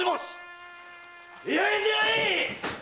出会え出会え！